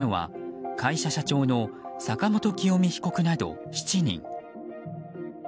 逮捕・起訴されたのは会社社長の坂本清美被告など７人。